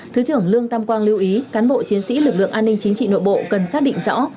thứ trưởng lương tam quang lưu ý cán bộ chiến sĩ lực lượng an ninh chính trị nội bộ cần xác định rõ